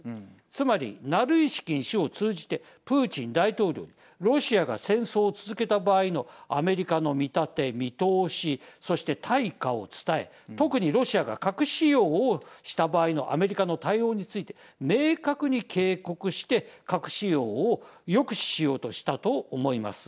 つまり、ナルイシキン氏を通じてプーチン大統領にロシアが戦争を続けた場合のアメリカの見立て、見通しそして対価を伝え、特にロシアが核使用をした場合のアメリカの対応について明確に警告して核使用を抑止しようとしたと思います。